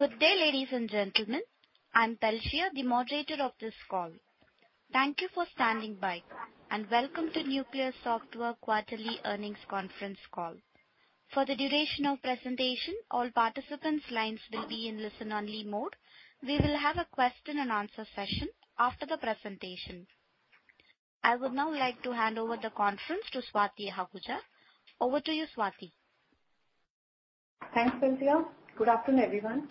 Good day, ladies and gentlemen. I'm Talshea, the moderator of this call. Thank you for standing by, and welcome to Nucleus Software Quarterly Earnings Conference Call. For the duration of presentation, all participants' lines will be in listen-only mode. We will have a question and answer session after the presentation. I would now like to hand over the conference to Swati Ahuja. Over to you, Swati. Thanks, Talshea. Good afternoon, everyone.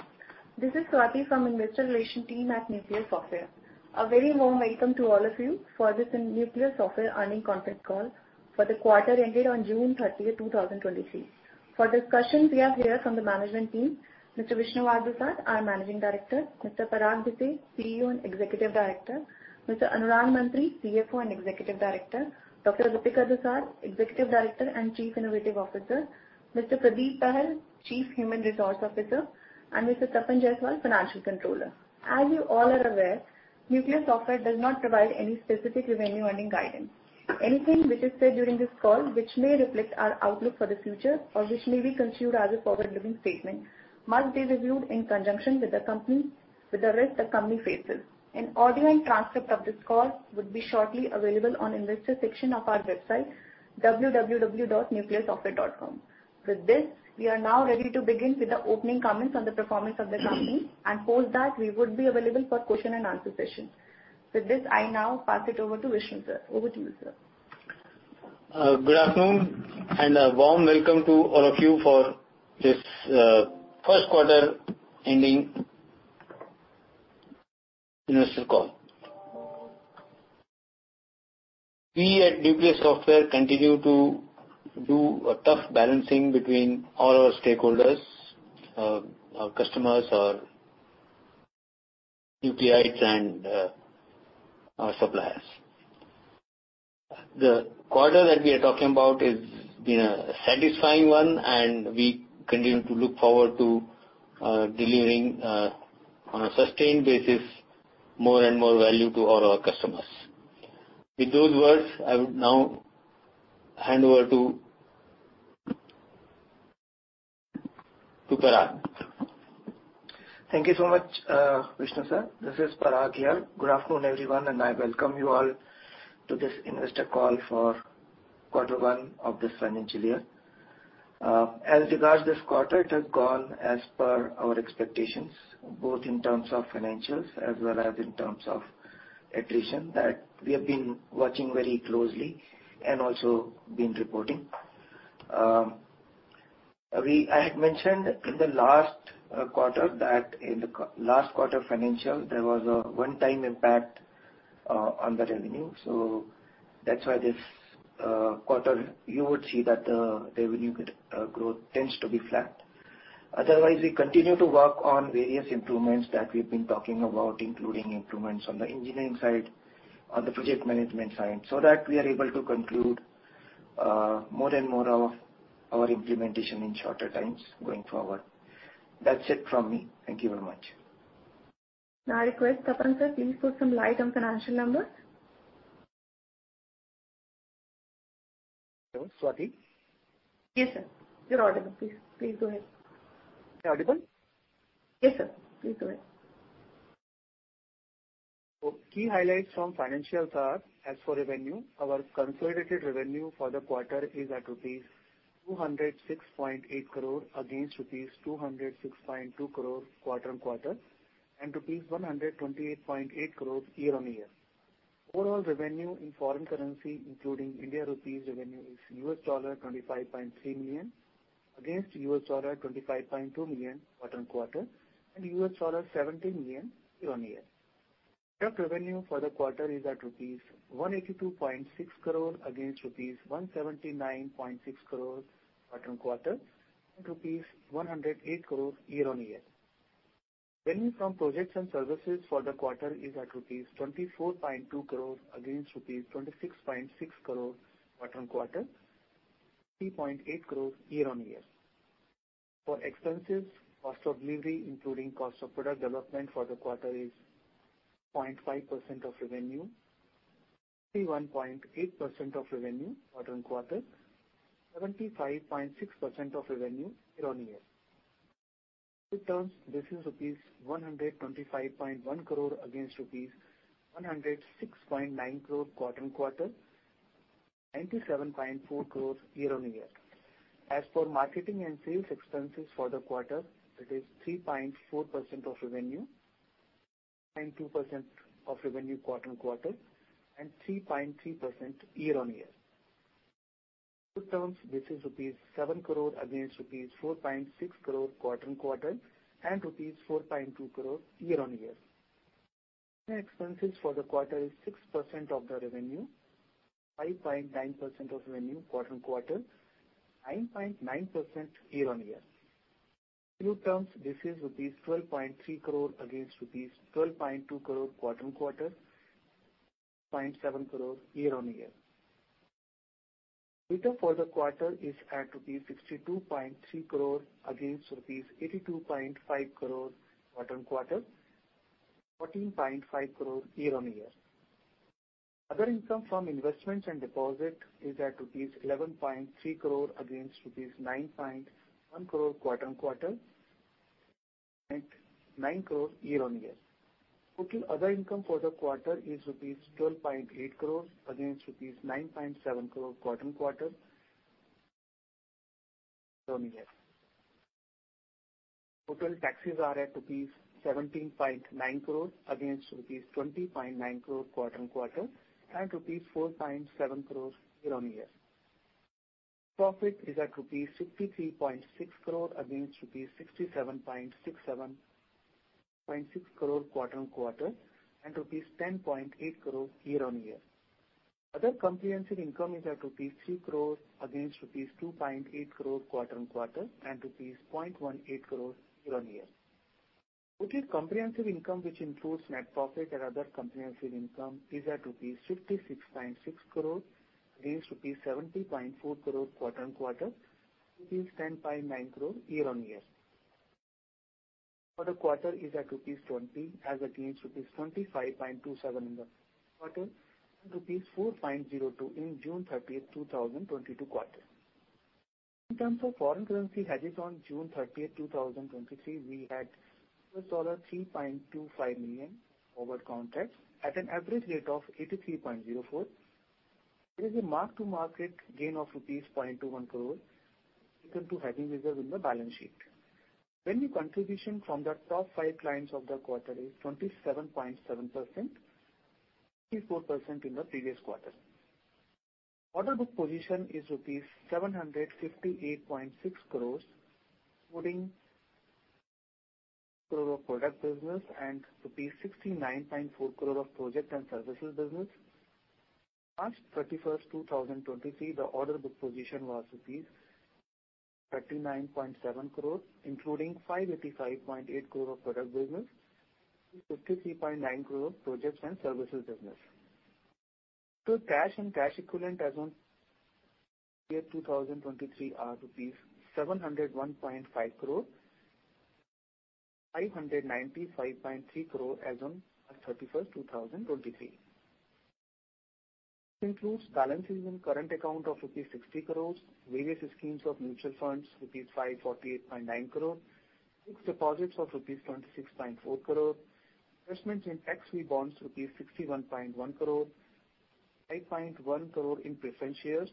This is Swati from Investor Relations team at Nucleus Software. A very warm welcome to all of you for this Nucleus Software Earnings Conference Call for the quarter ended on June 30, 2023. For discussion, we have here from the management team, Mr. Vishnu R. Dusad, our Managing Director; Mr. Parag Bhise, CEO and Executive Director; Mr. Anurag Mantri, CFO and Executive Director; Dr. Ritika Dusad, Executive Director and Chief Innovation Officer; Mr. Pardeep Pahal, Chief Human Resources Officer; and Mr. Tapan Jayaswal, Financial Controller. As you all are aware, Nucleus Software does not provide any specific revenue earnings guidance. Anything which is said during this call, which may reflect our outlook for the future or which may be considered as a forward-looking statement, must be reviewed in conjunction with the risk the company faces. An audio and transcript of this call would be shortly available on investor section of our website, www.nucleussoftware.com. With this, we are now ready to begin with the opening comments on the performance of the company, and post that, we would be available for question and answer session. With this, I now pass it over to Vishnu, sir. Over to you, sir. Good afternoon, and a warm welcome to all of you for this Q1 ending investor call. We at Nucleus Software continue to do a tough balancing between all our stakeholders, our customers, our USPs and our suppliers. The quarter that we are talking about is been a satisfying one, and we continue to look forward to delivering on a sustained basis, more and more value to all our customers. With those words, I would now hand over to Parag. Thank you so much, Vishnu, sir. This is Parag here. Good afternoon, everyone, I welcome you all to this investor call for quarter one of this financial year. As regards this quarter, it has gone as per our expectations, both in terms of financials as well as in terms of attrition, that we have been watching very closely and also been reporting. We- I had mentioned in the last quarter, that in the q- last quarter financial, there was a one-time impact on the revenue, that's why this quarter, you would see that the revenue growth tends to be flat. Otherwise, we continue to work on various improvements that we've been talking about, including improvements on the engineering side, on the project management side, so that we are able to conclude more and more of our implementation in shorter times going forward. That's it from me. Thank you very much. I request, Tapan, sir, please put some light on financial numbers. Hello, Swati? Yes, sir. You're audible. Please, please go ahead. Am I audible? Yes, sir. Please go ahead. Key highlights from financials are, as for revenue, our consolidated revenue for the quarter is at rupees 206.8 crore against rupees 206.2 crore quarter-over-quarter, and rupees 128.8 crore year-over-year. Overall revenue in foreign currency, including India rupee revenue, is $25.3 million, against $25.2 million quarter-over-quarter, and $17 million year-over-year. Direct revenue for the quarter is at rupees 182.6 crore against rupees 179.6 crore quarter-over-quarter, and rupees 108 crore year-over-year. Revenue from projects and services for the quarter is at rupees 24.2 crore, against rupees 26.6 crore quarter-over-quarter, INR 3.8 crore year-over-year. For expenses, cost of delivery, including cost of product development for the quarter, is 0.5% of revenue, 31.8% of revenue quarter-over-quarter, 75.6% of revenue year-over-year. In terms, this is rupees 125.1 crore, against rupees 106.9 crore quarter-over-quarter, 97.4 crore year-over-year. As for marketing and sales expenses for the quarter, it is 3.4% of revenue, and 2% of revenue quarter-over-quarter, and 3.3% year-over-year. In terms, this is rupees 7 crore, against rupees 4.6 crore quarter-over-quarter, and rupees 4.2 crore year-over-year. Expenses for the quarter is 6% of the revenue, 5.9% of revenue quarter-on-quarter, 9.9% year-on-year. In terms, this is rupees 12.3 crore against rupees 12.2 crore quarter-on-quarter, 0.7 crore year-on-year. Data for the quarter is at INR 62.3 crore against INR 82.5 crore quarter-on-quarter, INR 14.5 crore year-on-year. Other income from investments and deposit is at INR 11.3 crore against INR 9.1 crore quarter-on-quarter, and INR 9 crore year-on-year. Total other income for the quarter is INR 12.8 crore, against INR 9.7 crore quarter-on-quarter, year-on-year. Total taxes are at rupees 17.9 crore, against rupees 20.9 crore quarter-on-quarter, and rupees 4.7 crore year-on-year. Profit is at rupees 63.6 crore, against rupees 67.6 crore quarter-on-quarter, and rupees 10.8 crore year-on-year. Other comprehensive income is at rupees 3 crores, against rupees 2.8 crore quarter-on-quarter, and INR 0.18 crores year-on-year, which is comprehensive income, which includes net profit and other comprehensive income, is at rupees 56.6 crore, against rupees 70.4 crore quarter-on-quarter, rupees 10.9 crore year-on-year. For the quarter is at rupees 20, as against rupees 25.27 in the quarter, and rupees 4.02 in June 30, 2022 quarter. In terms of foreign currency hedges on June 30, 2023, we had $3.25 million over context at an average rate of 83.04. There is a mark-to-market gain of rupees 0.21 crore into hedging reserve in the balance sheet. Revenue contribution from the top five clients of the quarter is 27.7%, 24% in the previous quarter. Order book position is rupees 758.6 crore, including crore of product business and rupees 69.4 crore of project and services business. March 31, 2023, the order book position was rupees 39.7 crore, including 585.8 crore of product business, 53.9 crore of projects and services business. Good cash and cash equivalent as on year 2023 are rupees 701.5 crore, 595.3 crore as on March 31, 2023. This includes balances in current account of rupees 60 crore, various schemes of mutual funds, rupees 548.9 crore, fixed deposits of rupees 26.4 crore, investments in sovereign bonds, rupees 61.1 crore, 5.1 crore in preference shares.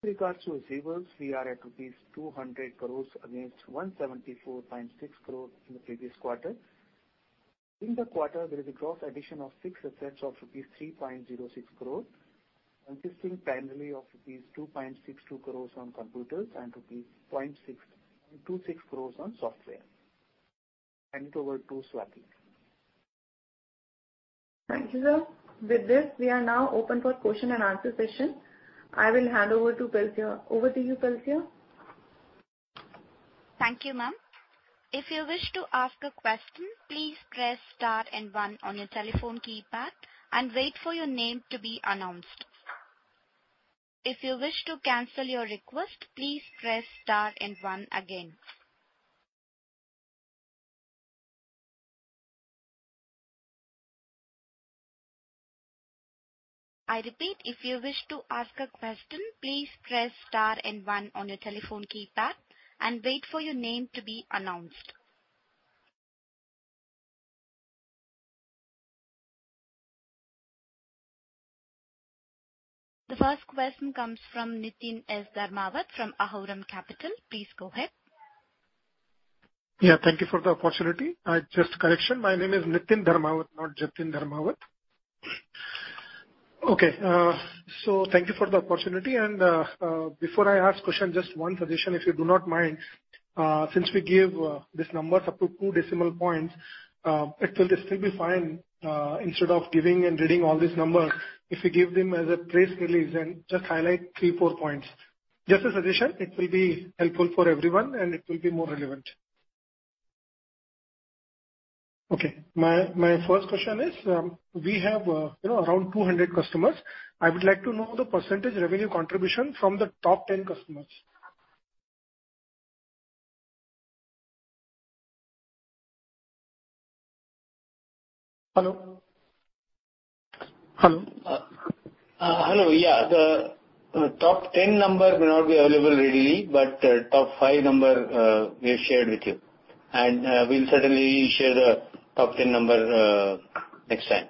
With regards to receivables, we are at rupees 200 crore against 174.6 crore in the previous quarter. In the quarter, there is a gross addition of fixed assets of rupees 3.06 crore, consisting primarily of rupees 2.62 crore on computers and rupees 0.626 crore on software. Hand it over to Swati. Thank you, sir. With this, we are now open for question and answer session. I will hand over to Pelcia. Over to you, Pelcia. Thank you, ma'am. If you wish to ask a question, please press star and one on your telephone keypad and wait for your name to be announced. If you wish to cancel your request, please press star and one again. I repeat, if you wish to ask a question, please press star and one on your telephone keypad and wait for your name to be announced. The first question comes from Niteen S. Dharmawat from Aurum Capital. Please go ahead. Yeah, thank you for the opportunity. Just a correction, my name is Nitin Dharmawat, not Jitin Dharmavat. Okay, thank you for the opportunity. Before I ask question, just one suggestion, if you do not mind. Since we give this number up to 2 decimal points, it will still be fine, instead of giving and reading all these numbers, if you give them as a press release and just highlight 3, 4 points. Just a suggestion, it will be helpful for everyone and it will be more relevant. Okay, my first question is, we have, you know, around 200 customers. I would like to know the percentage revenue contribution from the top 10 customers. Hello? Hello. Hello, yeah. The, the top 10 number may not be available readily, but, top 5 number, we have shared with you. We'll certainly share the top 10 number next time.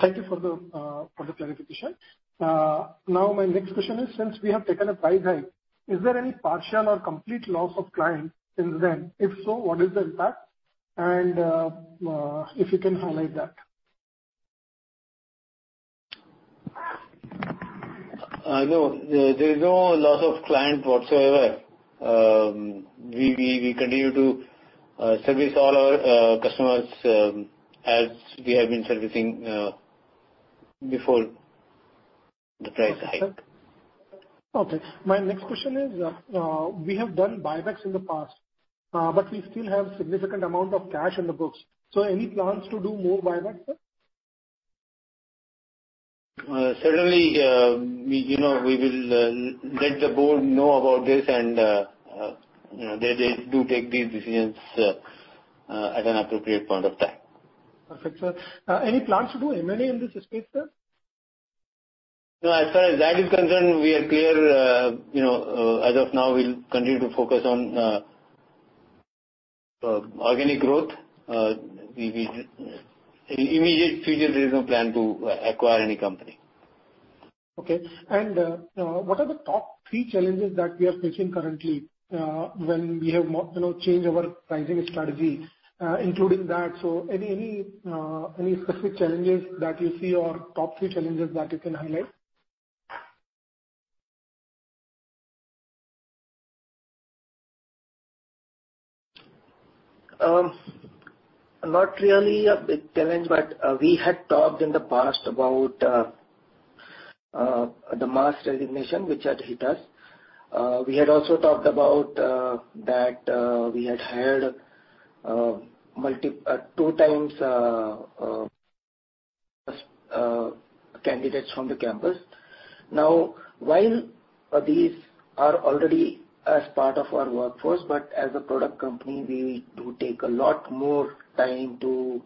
Thank you for the for the clarification. Now, my next question is, since we have taken a price hike, is there any partial or complete loss of clients since then? If so, what is the impact? If you can highlight that. No, there is no loss of client whatsoever. We, we, we continue to service all our customers as we have been servicing before the price hike. Okay. My next question is, we have done buybacks in the past, but we still have significant amount of cash on the books. Any plans to do more buybacks, sir? ... certainly, we, you know, we will let the board know about this, and, you know, they, they do take these decisions at an appropriate point of time. Perfect, sir. Any plans to do M&A in this space, sir? No, as far as that is concerned, we are clear. You know, as of now, we'll continue to focus on organic growth. In immediate future, there is no plan to acquire any company. Okay. What are the top three challenges that we are facing currently, when we have more, you know, changed our pricing strategy, including that, so any, any, any specific challenges that you see or top three challenges that you can highlight? Not really a big challenge, but we had talked in the past about the mass resignation, which had hit us. We had also talked about that we had hired two times candidates from the campus. While these are already as part of our workforce, but as a product company, we do take a lot more time to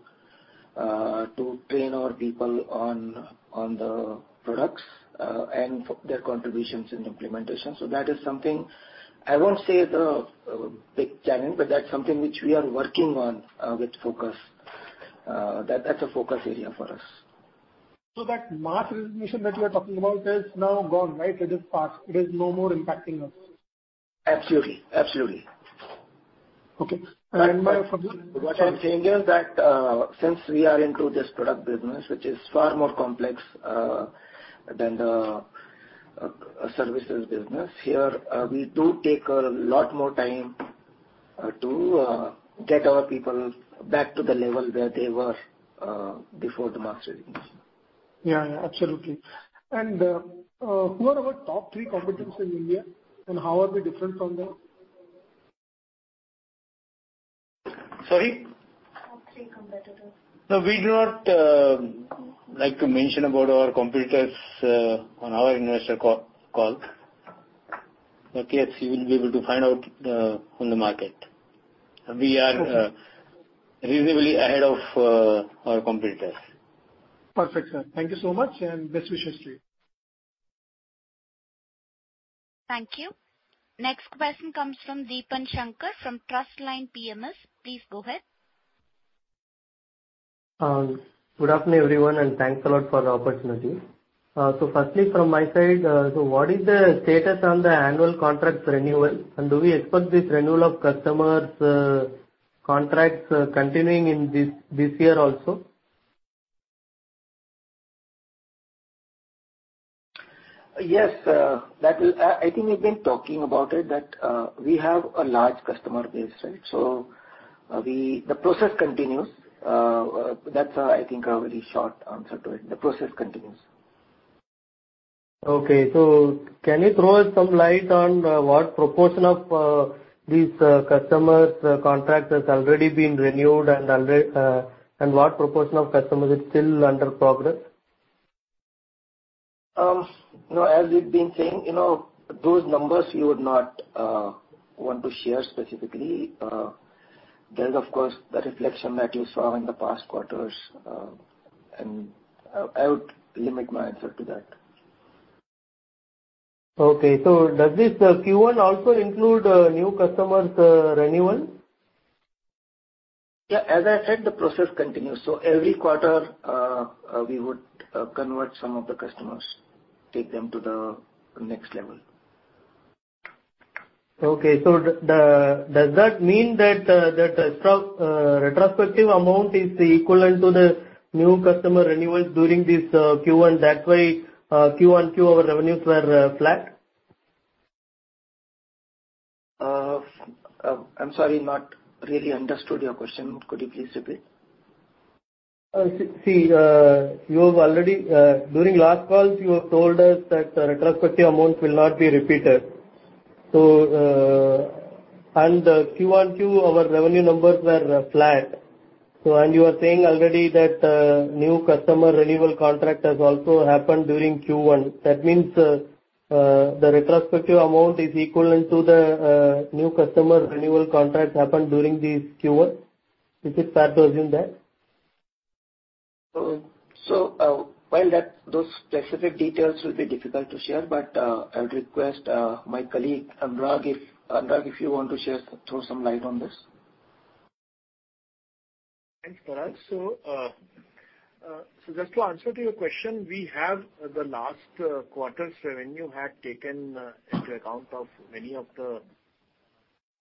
train our people on the products and their contributions and implementation. That is something I won't say the big challenge, but that's something which we are working on with focus. That, that's a focus area for us. That mass resignation that you are talking about is now gone, right? It is past. It is no more impacting us. Absolutely. Absolutely. Okay. My further- What I'm saying is that, since we are into this product business, which is far more complex, than the services business, here, we do take a lot more time, to get our people back to the level where they were, before the mass resignation. Yeah, yeah, absolutely. Who are our top three competitors in India, and how are we different from them? Sorry? Top three competitors. No, we do not like to mention about our competitors on our investor call, call. Yes, you will be able to find out from the market. Okay. We are, reasonably ahead of, our competitors. Perfect, sir. Thank you so much, and best wishes to you. Thank you. Next question comes from Deepan Shankar, from Trustline PMS. Please go ahead. Good afternoon, everyone, and thanks a lot for the opportunity. Firstly, from my side, what is the status on the annual contracts renewal, and do we expect this renewal of customers contracts continuing in this year also? Yes, that is... I think we've been talking about it, that, we have a large customer base, right? The process continues. That's, I think a very short answer to it. The process continues. Okay. Can you throw us some light on what proportion of these customers contracts has already been renewed and already and what proportion of customers is still under progress? you know, as we've been saying, you know, those numbers you would not want to share specifically. There's, of course, the reflection that you saw in the past quarters, and I, I would limit my answer to that. Okay. Does this Q1 also include new customers, renewal? Yeah, as I said, the process continues. Every quarter, we would convert some of the customers, take them to the next level. Okay. Does that mean that retrospective amount is equivalent to the new customer renewals during this Q1, that's why Q1, Q over revenues were flat? I'm sorry, not really understood your question. Could you please repeat? See, you've already. During last calls, you have told us that the retrospective amounts will not be repeated. Q1, our revenue numbers were flat. You are saying already that new customer renewal contract has also happened during Q1. That means the retrospective amount is equivalent to the new customer renewal contract happened during this Q1. Is it fair to assume that? While that, those specific details will be difficult to share, but, I would request, my colleague, Anurag, if, Anurag, if you want to share, throw some light on this. Thanks, Parag. Just to answer to your question, we have the last quarter's revenue had taken into account of many of the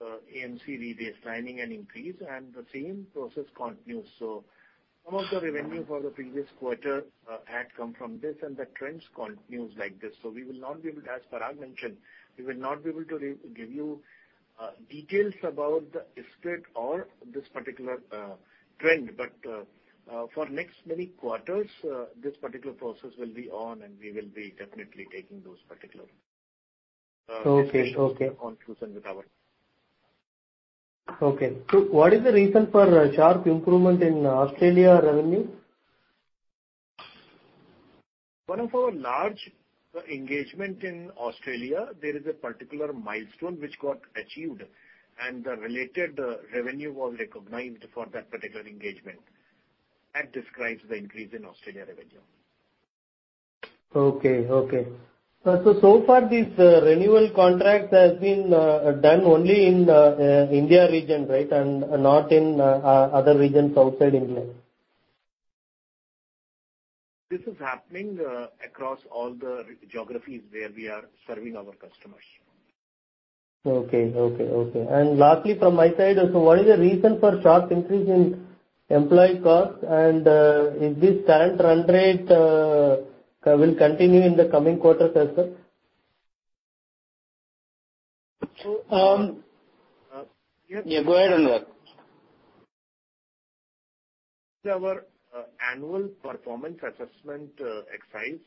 AMC rebase signing and increase, and the same process continues. Some of the revenue for the previous quarter had come from this and the trends continues like this. We will not be able to, as Parag mentioned, we will not be able to re- give you details about the split or this particular trend. For next many quarters, this particular process will be on, and we will be definitely taking those particular. Okay. Okay. On through and with our-... Okay. What is the reason for sharp improvement in Australia revenue? One of our large engagement in Australia, there is a particular milestone which got achieved, and the related revenue was recognized for that particular engagement. That describes the increase in Australia revenue. Okay, okay. So far, this renewal contract has been done only in the India region, right, and not in other regions outside India? This is happening across all the geographies where we are serving our customers. Okay, okay, okay. Lastly, from my side, so what is the reason for sharp increase in employee cost? If this current run rate will continue in the coming quarters as well? So, um- Yeah, go ahead, Anurag. Our annual performance assessment, exercise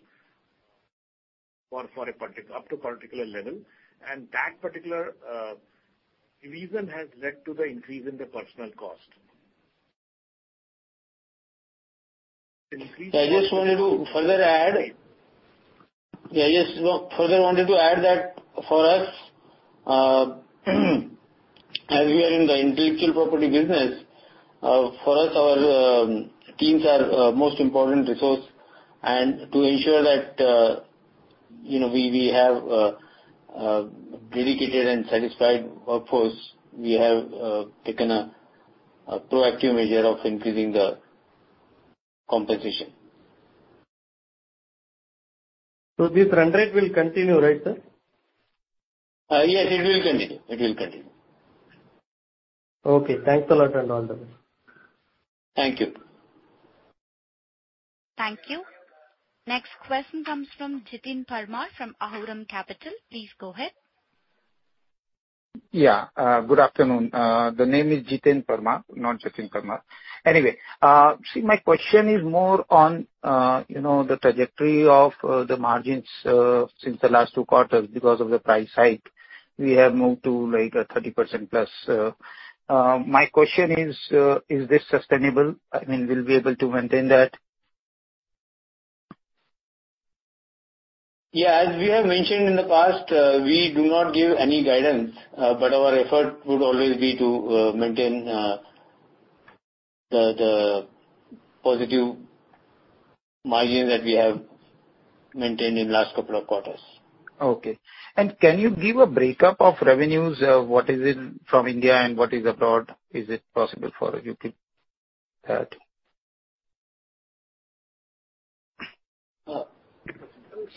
for, for a particular level, and that particular reason has led to the increase in the personal cost. Increase- I just further wanted to add that for us, as we are in the intellectual property business, for us, our teams are most important resource. To ensure that, you know, we have dedicated and satisfied workforce, we have taken a proactive measure of increasing the compensation. This run rate will continue, right, sir? Yes, it will continue. It will continue. Okay. Thanks a lot and all done. Thank you. Thank you. Next question comes from Jiten Parmar, from Aurum Capital. Please go ahead. Yeah, good afternoon. The name is Jiten Parmar, not Jiten Parmar. Anyway, see, my question is more on, you know, the trajectory of the margins, since the last two quarters. Because of the price hike, we have moved to, like, 30%+. My question is, is this sustainable? I mean, will you be able to maintain that? Yeah, as we have mentioned in the past, we do not give any guidance, but our effort would always be to maintain the positive margin that we have maintained in last couple of quarters. Okay. Can you give a breakup of revenues, what is it from India and what is abroad? Is it possible for you to keep that?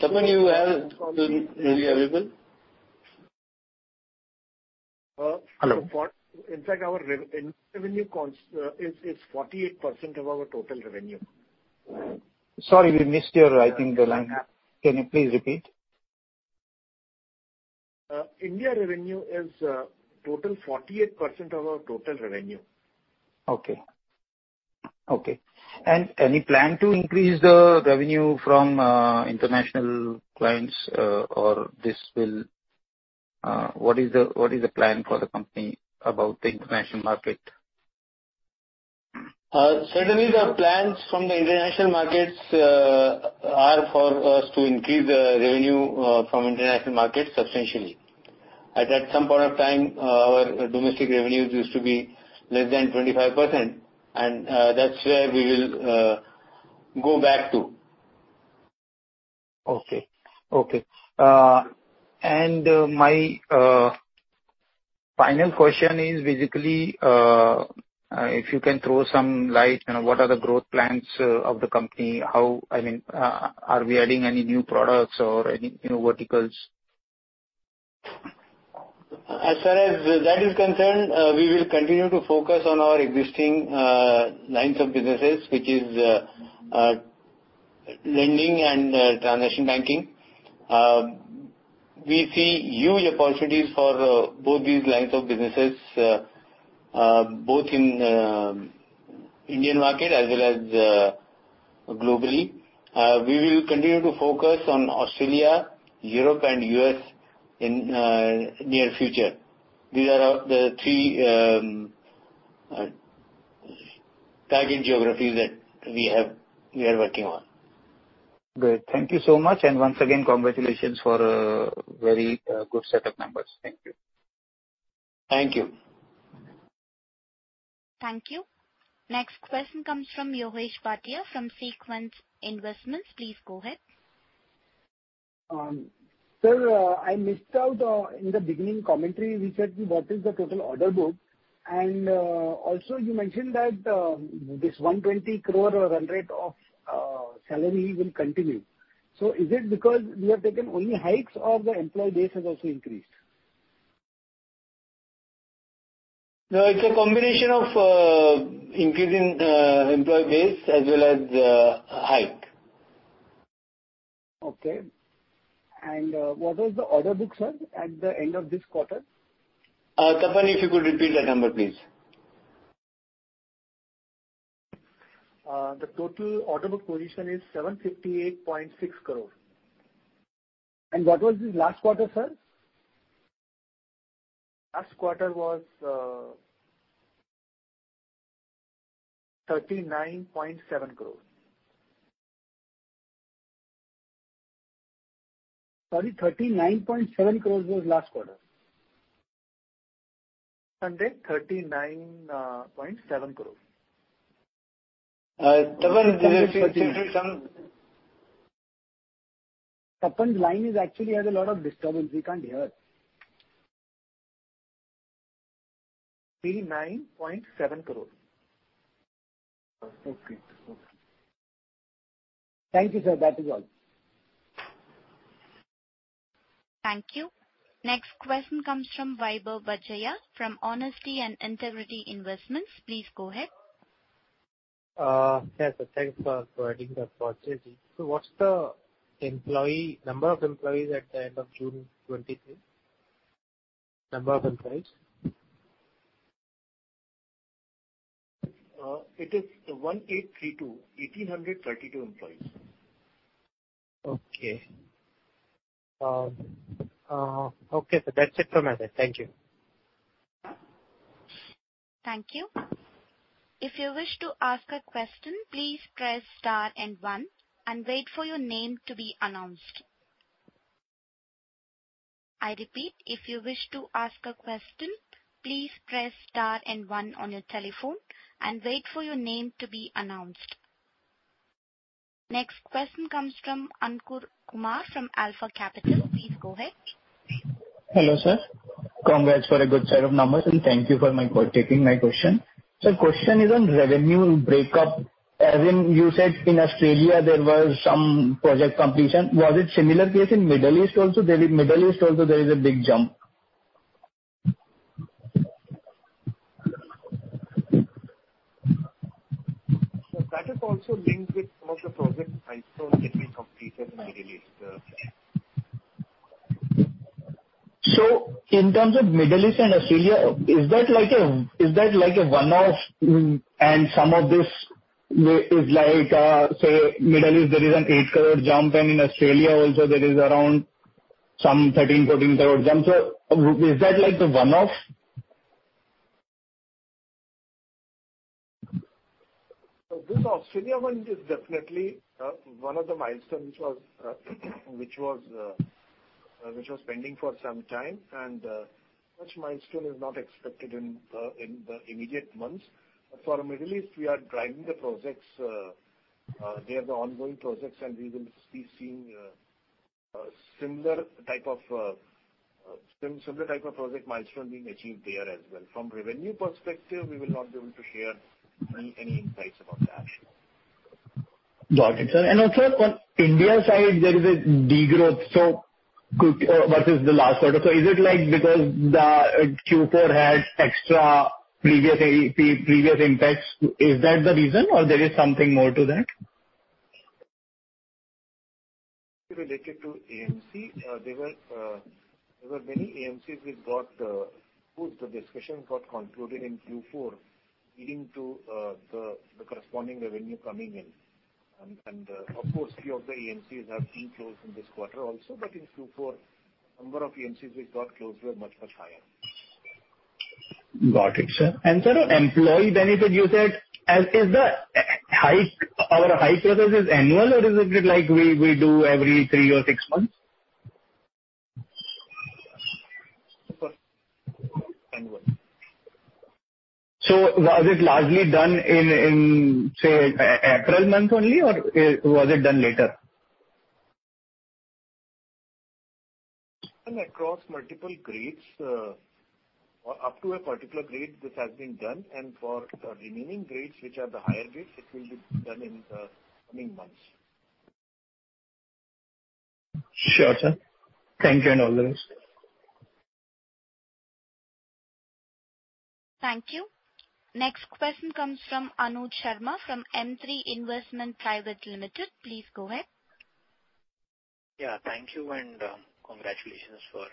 Tapani, you have the India revenue? Uh- Hello. In fact, our India revenue cons is 48% of our total revenue. Sorry, we missed your, I think, the line. Can you please repeat? India revenue is, total 48% of our total revenue. Okay. Okay. Any plan to increase the revenue from international clients, or what is the, what is the plan for the company about the international market? Certainly, the plans from the international markets are for us to increase the revenue from international markets substantially. At, at some point of time, our domestic revenues used to be less than 25%, and that's where we will go back to. Okay, okay. My final question is basically, if you can throw some light on what are the growth plans of the company? How... I mean, are we adding any new products or any, you know, verticals? As far as that is concerned, we will continue to focus on our existing lines of businesses, which is lending and transaction banking. We see huge opportunities for both these lines of businesses, both in Indian market as well as globally. We will continue to focus on Australia, Europe and US in near future. These are our the three target geographies that we have- we are working on. Great. Thank you so much, and once again, congratulations for a very good set of numbers. Thank you. Thank you. Thank you. Next question comes from Yogesh Patil from Sequence Investments. Please go ahead. sir, I missed out, in the beginning commentary, you said what is the total order book? Also you mentioned that, this 120 crore run rate of salary will continue. Is it because you have taken only hikes or the employee base has also increased? No, it's a combination of increasing employee base as well as hike. Okay. What is the order book, sir, at the end of this quarter? Tapani, if you could repeat that number, please?... the total order book position is 758.6 crore. What was the last quarter, sir? Last quarter was INR 39.7 crore. Sorry, 39.7 crore was last quarter? Sundry, INR 39.7 crore. Tapan, Tapan, line is actually has a lot of disturbance. We can't hear. INR 39.7 crore. Okay. Okay. Thank you, sir. That is all. Thank you. Next question comes from Vaibhav Badjatya, from Honesty and Integrity Investments. Please go ahead. Yes, sir. Thanks for providing the opportunity. What's the employee, number of employees at the end of June 2023? Number of employees. It is 1,832. 1,832 employees. Okay. Okay, sir. That's it from my side. Thank you. Thank you. If you wish to ask a question, please press star and one, and wait for your name to be announced. I repeat, if you wish to ask a question, please press star and one on your telephone and wait for your name to be announced. Next question comes from Ankur Kumar, from Alpha Capital. Please go ahead. Hello, sir. Congrats for a good set of numbers. Thank you for my... taking my question. Sir, question is on revenue breakup. As in, you said in Australia, there was some project completion. Was it similar case in Middle East also? There is Middle East also, there is a big jump. That is also linked with some of the project milestones that we completed in the Middle East. In terms of Middle East and Australia, is that like a one-off? Some of this is like, say, Middle East, there is an 8 crore jump, and in Australia also there is around some 13-14 crore jump. Is that like a one-off? This Australia one is definitely, one of the milestones which was, which was, which was pending for some time, and which milestone is not expected in the, in the immediate months. For Middle East, we are driving the projects, they are the ongoing projects, and we will be seeing, a similar type of, similar type of project milestone being achieved there as well. From revenue perspective, we will not be able to share any, any insights about that. Got it, sir. Also on India side, there is a degrowth, so could... versus the last quarter. Is it like because the Q4 had extra previous AP, previous impacts, is that the reason or there is something more to that? Related to AMC, there were, there were many AMCs which got, whose the discussion got concluded in Q4, leading to, the, the corresponding revenue coming in. Of course, few of the AMCs have been closed in this quarter also. In Q4, number of AMCs which got closed were much, much higher. Got it, sir. Sir, on employee benefit, you said, as is the hike, our hike whether it is annual or is it like we, we do every 3 or 6 months? Annual. Was it largely done in, in, say, April month only, or was it done later? Across multiple grades, up to a particular grade, this has been done, and for the remaining grades, which are the higher grades, it will be done in the coming months. Sure, sir. Thank you, and all the best. Thank you. Next question comes from Anuj Sharma, from M3 Investment Private Limited. Please go ahead. Yeah, thank you, and congratulations for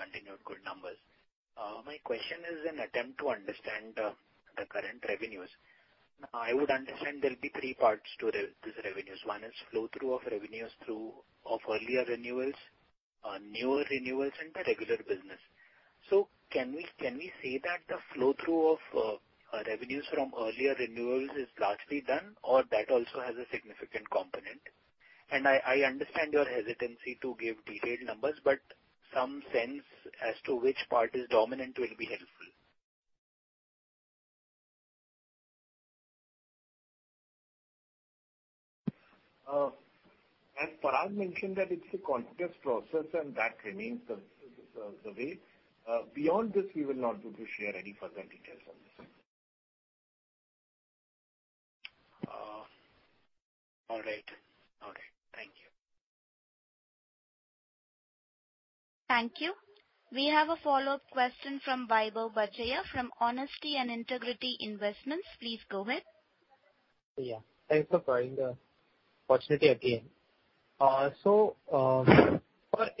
continued good numbers. My question is an attempt to understand the current revenues. I would understand there will be three parts to this revenues. One is flow-through of revenues through of earlier renewals, newer renewals, and the regular business. Can we, can we say that the flow-through of revenues from earlier renewals is largely done, or that also has a significant component? I, I understand your hesitancy to give detailed numbers, but some sense as to which part is dominant will be helpful. As Faraz mentioned, that it's a continuous process, and that remains the, the, the way. Beyond this, we will not be able to share any further details on this. All right. All right. Thank you. Thank you. We have a follow-up question from Vaibhav Badjatya, from Honesty and Integrity Investments. Please go ahead. Yeah. Thanks for providing the opportunity again. For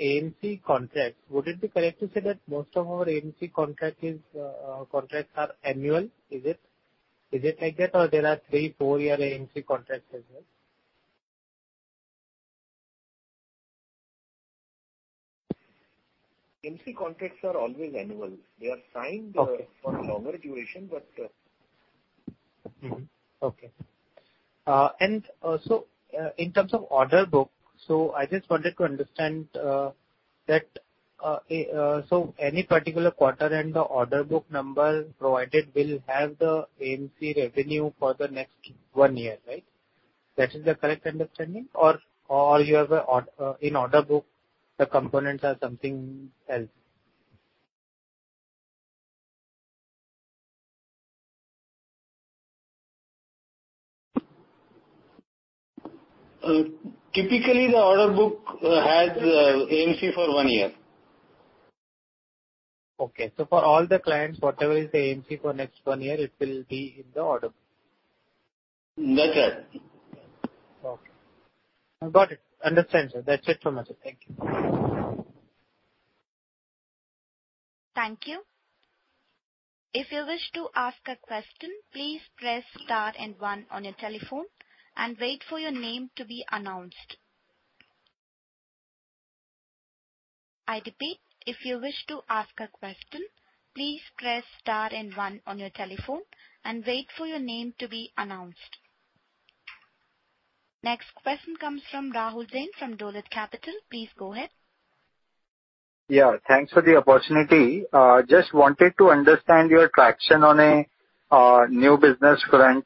AMC contracts, would it be correct to say that most of our AMC contract is contracts are annual? Is it like that, or there are three, four-year AMC contracts as well? AMC contracts are always annual. They are signed- Okay. for longer duration, but. Okay. In terms of order book, so I just wanted to understand that, so any particular quarter and the order book number provided will have the AMC revenue for the next 1 year, right? That is the correct understanding or, or you have in order book, the components are something else? Typically, the order book, has, AMC for 1 year. Okay. For all the clients, whatever is the AMC for next one year, it will be in the order book. That's right. Okay. I've got it. Understand, sir. That's it from my side. Thank you. Thank you. If you wish to ask a question, please press star and one on your telephone and wait for your name to be announced. I repeat, if you wish to ask a question, please press star and one on your telephone and wait for your name to be announced. Next question comes from Rahul Jain, from Dolat Capital. Please go ahead. Yeah, thanks for the opportunity. Just wanted to understand your traction on a new business front.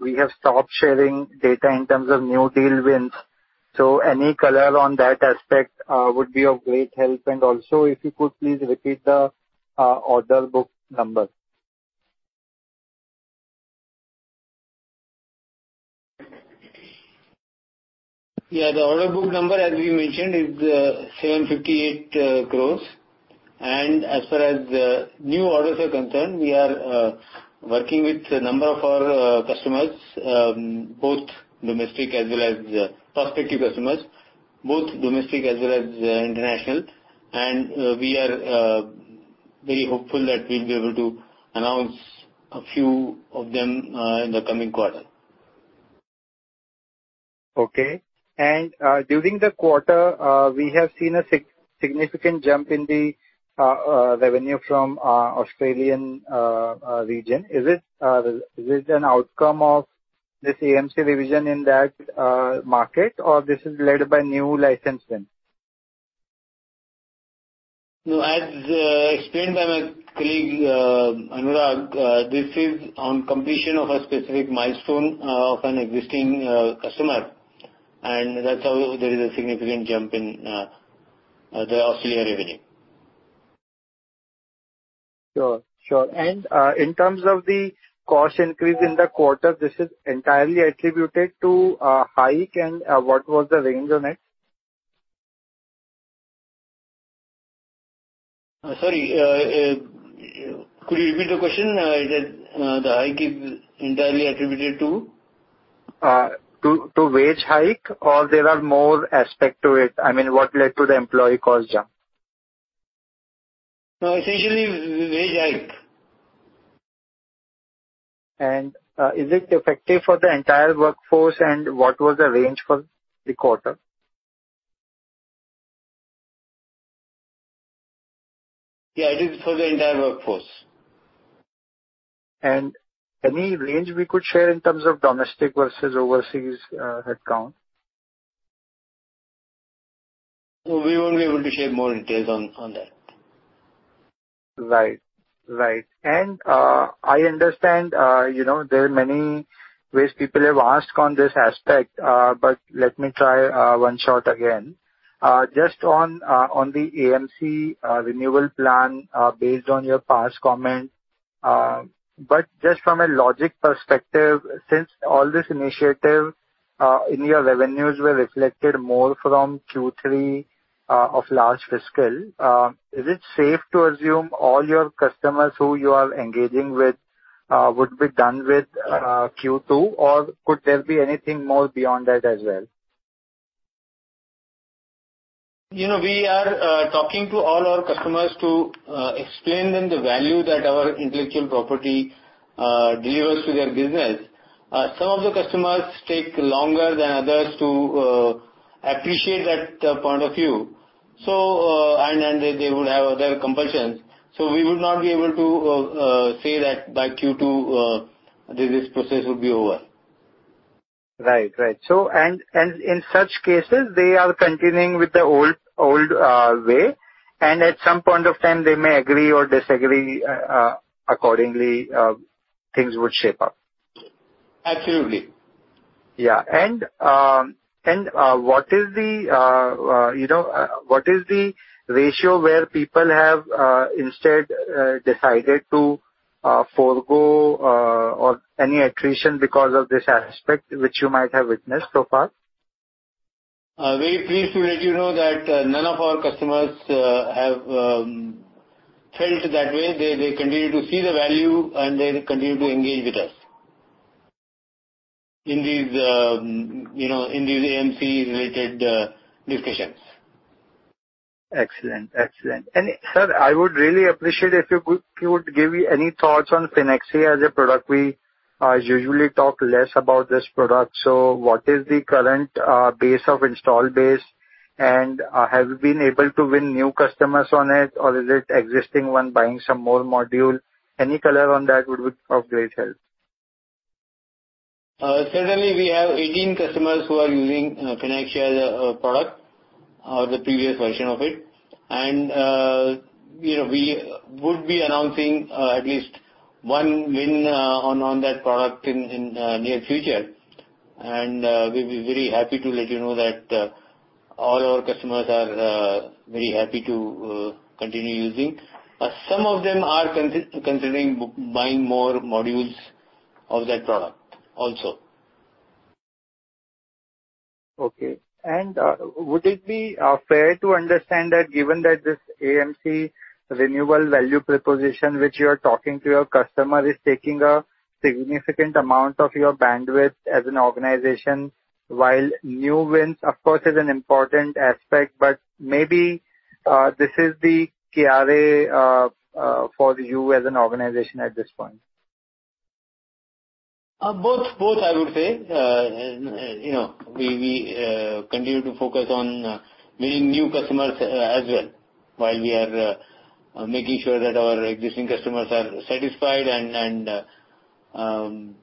We have stopped sharing data in terms of new deal wins, so any color on that aspect, would be of great help. Also, if you could please repeat the order book number? Yeah, the order book number, as we mentioned, is 758 crores. As far as the new orders are concerned, we are working with a number of our customers, both domestic as well as prospective customers, both domestic as well as international. We are very hopeful that we'll be able to announce a few of them in the coming quarter. Okay. During the quarter, we have seen a significant jump in the revenue from Australian region. Is it an outcome of this AMC revision in that market, or this is led by new licensing? No, as explained by my colleague, Anurag, this is on completion of a specific milestone of an existing customer, and that's how there is a significant jump in the Australian revenue. Sure, sure. In terms of the cost increase in the quarter, this is entirely attributed to hike and what was the range on it? Sorry, could you repeat the question? The, the hike is entirely attributed to? to, to wage hike, or there are more aspect to it? I mean, what led to the employee cost jump? essentially wage hike. Is it effective for the entire workforce, and what was the range for the quarter? Yeah, it is for the entire workforce. Any range we could share in terms of domestic versus overseas headcount? We won't be able to share more details on, on that. Right. Right. I understand, you know, there are many ways people have asked on this aspect, but let me try one shot again. Just on the AMC renewal plan, based on your past comments, just from a logic perspective, since all this initiative, in your revenues were reflected more from Q3 of last fiscal, is it safe to assume all your customers who you are engaging with, would be done with Q2, or could there be anything more beyond that as well? You know, we are talking to all our customers to explain them the value that our intellectual property delivers to their business. Some of the customers take longer than others to appreciate that point of view. They, they would have other compulsions. We would not be able to say that by Q2, this process would be over. Right. Right. In such cases, they are continuing with the old, old way, and at some point of time, they may agree or disagree, accordingly, things would shape up. Absolutely. Yeah. What is the, you know, what is the ratio where people have, instead, decided to, forgo, or any attrition because of this aspect, which you might have witnessed so far? Very pleased to let you know that, none of our customers, have felt that way. They, they continue to see the value, and they continue to engage with us. In these, you know, in these AMC-related discussions. Excellent, excellent. Sir, I would really appreciate if you could, you would give me any thoughts on FinnAxia as a product. We usually talk less about this product. What is the current base of install base, and have you been able to win new customers on it, or is it existing one buying some more module? Any color on that would be of great help. Certainly we have 18 customers who are using FinnAxia as a product, or the previous version of it. You know, we would be announcing at least one win on that product in near future. We'll be very happy to let you know that all our customers are very happy to continue using. Some of them are considering buying more modules of that product also. Okay. Would it be fair to understand that given that this AMC renewal value proposition, which you are talking to your customer, is taking a significant amount of your bandwidth as an organization, while new wins, of course, is an important aspect, but maybe this is the KRA for you as an organization at this point? Both, both, I would say. You know, we, we continue to focus on winning new customers as well, while we are making sure that our existing customers are satisfied and, and,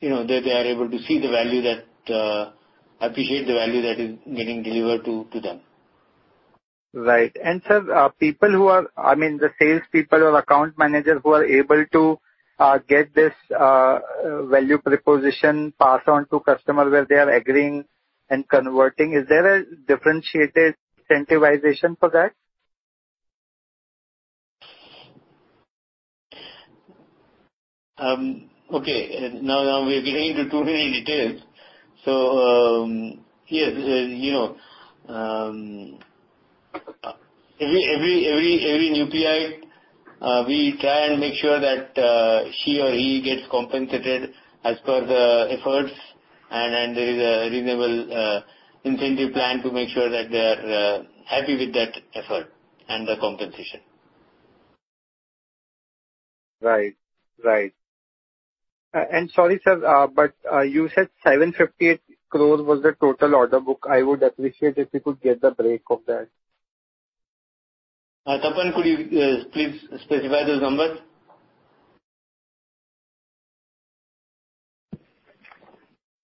you know, that they are able to see the value that... Appreciate the value that is being delivered to, to them. Right. Sir, I mean, the salespeople or account managers who are able to get this value proposition passed on to customer where they are agreeing and converting, is there a differentiated incentivization for that? Okay, now, now we are getting into too many details. Yes, you know, every, every, every, every new PI, we try and make sure that she or he gets compensated as per the efforts, and, and there is a reasonable incentive plan to make sure that they are happy with that effort and the compensation. Right. Right. Sorry, sir, you said 758 crore was the total order book. I would appreciate if we could get the break of that. Tapan, could you please specify those numbers?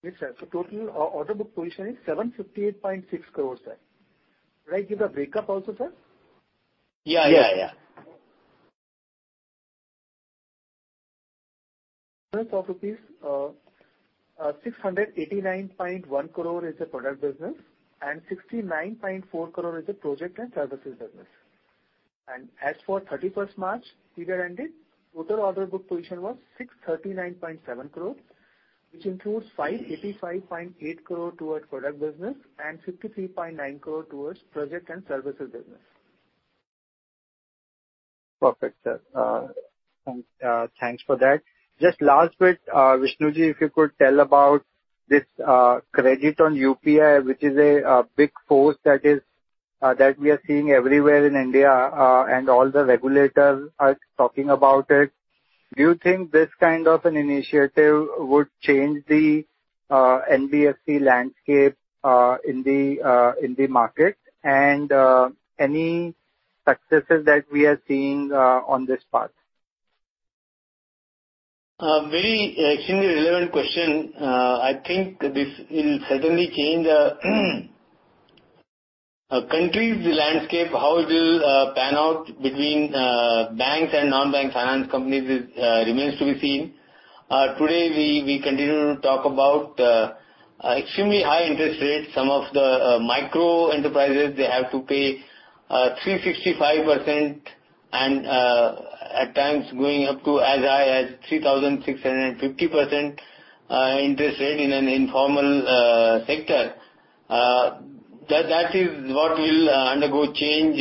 Yes, sir. total order book position is 758.6 crore, sir. Should I give the breakup also, sir? Yeah, yeah, yeah. Of rupees 689.1 crore is the product business, and 69.4 crore is the project and services business. As for 31st March, year-ended, total order book position was 639.7 crore, which includes 585.8 crore towards product business and 53.9 crore towards project and services business. Perfect, sir. Thanks for that. Just last bit, Vishnuji, if you could tell about this, credit on UPI, which is a big force that is that we are seeing everywhere in India, and all the regulators are talking about it. Do you think this kind of an initiative would change the NBFC landscape in the market? Any successes that we are seeing on this path? Very extremely relevant question. I think this will certainly change a country's landscape. How it will pan out between banks and non-bank finance companies is remains to be seen. Today, we, we continue to talk about extremely high interest rates. Some of the micro-enterprises, they have to pay 365% and at times going up to as high as 3,650% interest rate in an informal sector. That, that is what will undergo change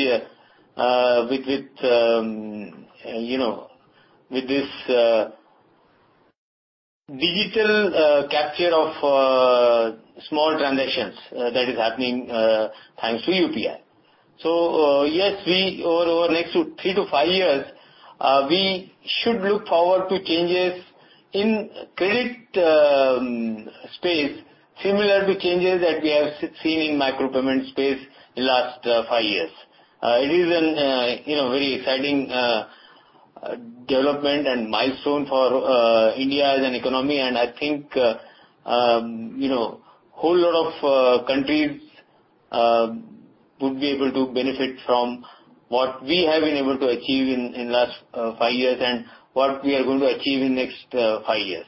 with, with, you know, with this digital capture of small transactions that is happening thanks to UPI. Yes, we over, over next 3 to 5 years, we should look forward to changes in credit space, similar to changes that we have seen in micro-payment space in last 5 years. It is an, you know, very exciting development and milestone for India as an economy. I think, you know, whole lot of countries would be able to benefit from what we have been able to achieve in, in last 5 years and what we are going to achieve in next 5 years.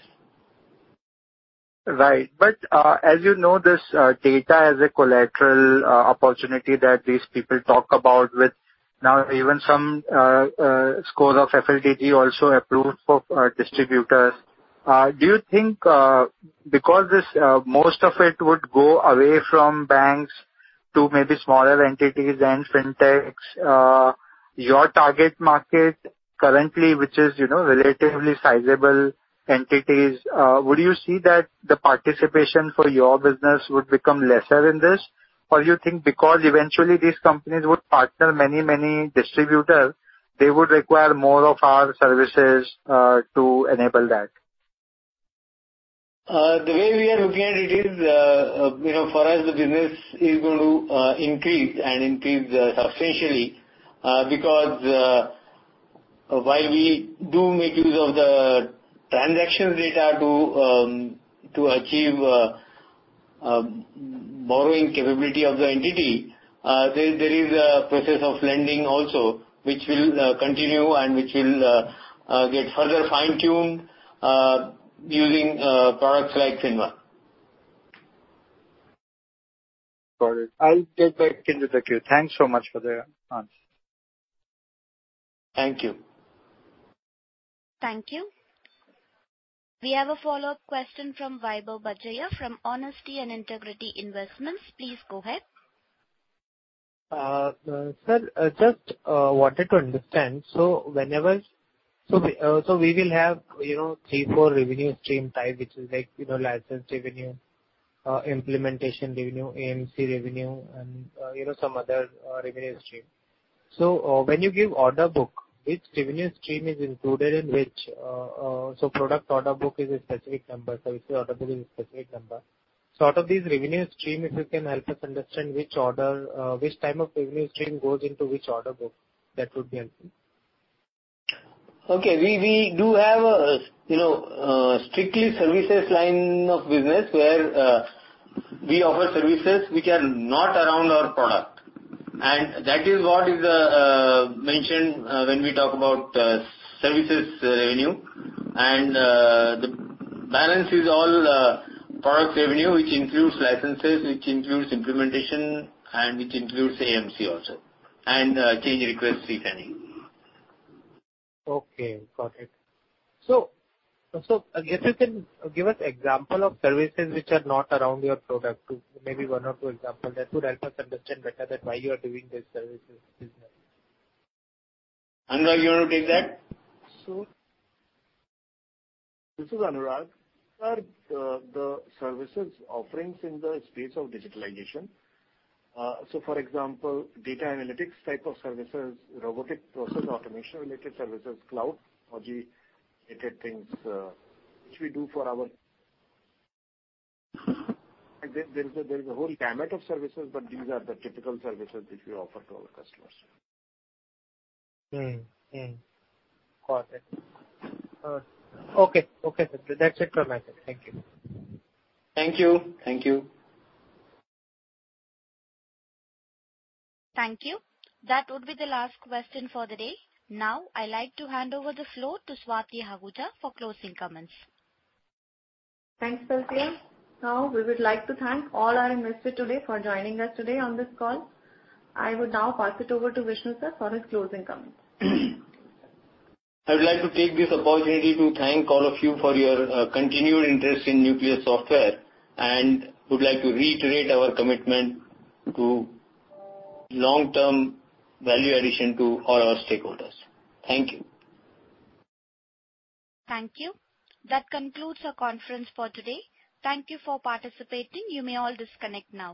Right. As you know, this data as a collateral opportunity that these people talk about with now even some score of FLDG also approved for distributors. Do you think, because this most of it would go away from banks to maybe smaller entities and fintechs, your target market currently, which is, you know, relatively sizable entities, would you see that the participation for your business would become lesser in this? Or you think because eventually these companies would partner many, many distributor, they would require more of our services to enable that? The way we are looking at it is, you know, for us, the business is going to increase and increase substantially because while we do make use of the transaction data to achieve borrowing capability of the entity, there, there is a process of lending also, which will continue and which will get further fine-tuned using products like FinnOne. Got it. I'll get back into the queue. Thanks so much for the answer. Thank you. Thank you. We have a follow-up question from Vaibhav Badjatya, from Honesty and Integrity Investments. Please go ahead. Sir, I just wanted to understand. Whenever... we will have, you know, three, four revenue stream type, which is like, you know, license revenue, implementation revenue, AMC revenue, and, you know, some other revenue stream. When you give order book, which revenue stream is included in which, so product order book is a specific number, service order book is a specific number. Out of these revenue stream, if you can help us understand which order, which type of revenue stream goes into which order book, that would be helpful. Okay. We, we do have a, you know, strictly services line of business where, we offer services which are not around our product, and that is what is mentioned, when we talk about services revenue. The balance is all products revenue, which includes licenses, which includes implementation, and which includes AMC also, and change request fee planning. Okay, got it. So if you can give us example of services which are not around your product, maybe 1 or 2 example, that would help us understand better that why you are doing this services business. Anurag, you want to take that? Sure. This is Anurag. The services offerings in the space of digitalization. For example, data analytics type of services, robotic process automation related services, cloud or the related things which we do for our... There's a, there's a whole gamut of services, but these are the typical services which we offer to our customers. Mm-hmm. Got it. Okay. Okay, that's it from my side. Thank you. Thank you. Thank you. Thank you. That would be the last question for the day. Now, I'd like to hand over the floor to Swati Ahuja for closing comments. Thanks, Pelcia. We would like to thank all our investors today for joining us today on this call. I would now pass it over to Vishnu, sir, for his closing comments. I would like to take this opportunity to thank all of you for your continued interest in Nucleus Software, and would like to reiterate our commitment to long-term value addition to all our stakeholders. Thank you. Thank you. That concludes our conference for today. Thank you for participating. You may all disconnect now.